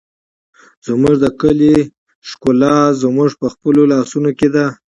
زموږ د کلي ښکلا زموږ په خپلو لاسونو کې ده.